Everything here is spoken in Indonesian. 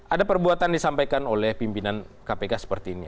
ada perbuatan disampaikan oleh pimpinan kpk seperti ini